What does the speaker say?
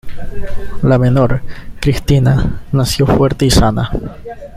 La menor, Cristina, nació fuerte y sana.